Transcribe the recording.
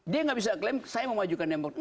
dia nggak bisa claim saya mau majukan demokrasi